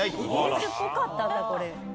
イギリスっぽかったんだこれ。